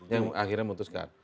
yang akhirnya memutuskan